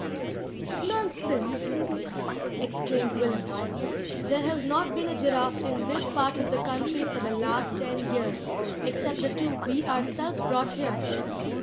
"Nonsense!" exclaimed Willem. "There has not been a giraffe in this part of the country for the last ten years, except the two we ourselves brought here."